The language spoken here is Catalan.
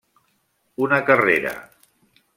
Una carrera.